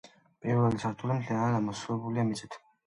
პირველი სართული მთლიანად ამოვსებულია მიწით.